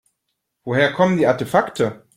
Woher kommen die Artefakte?